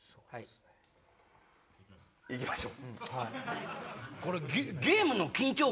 行きましょう！